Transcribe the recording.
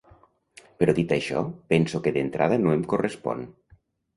Però dit això, penso que d’entrada no em correspon.